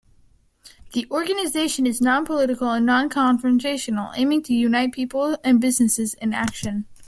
The organisation is non-political and non-confrontational, aiming to unite people and business in action.